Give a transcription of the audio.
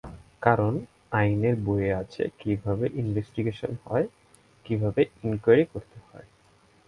কারণ, আইনের বইয়ে আছে, কীভাবে ইনভেস্টিগেশন হয়, কীভাবে ইনকোয়ারি করতে হয়।